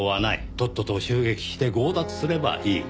とっとと襲撃して強奪すればいい。